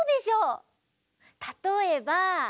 たとえば。